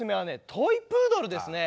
トイプードルですね。